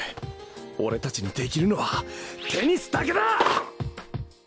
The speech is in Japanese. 俺たちにできるのはテニスだけだ！